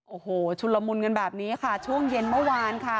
โอ้โหชุนละมุนกันแบบนี้ค่ะช่วงเย็นเมื่อวานค่ะ